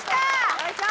よいしょ！